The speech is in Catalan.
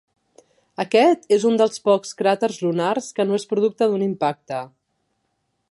Aquest és un dels pocs cràters lunars que no és producte d'un impacte.